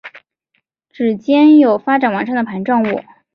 趾尖有发展完善的盘状物。